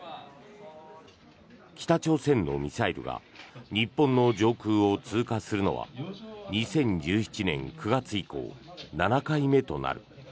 北朝鮮のミサイルが日本の上空を通過するのは２０１７年９月以降７回目となる。